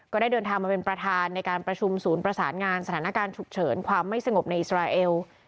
ก็ได้เดินทางมาเป็นประธานในการประชุมศูนย์ประสานงานสถานการณ์ฉุกเฉินความไม่สงบในอิสราเอล